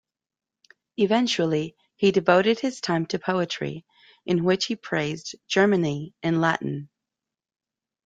Eventually he devoted his time to poetry, in which he praised Germany in Latin.